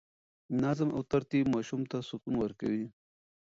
نظم او ترتیب ماشوم ته سکون ورکوي.